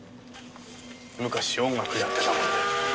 昔音楽やってたもんで。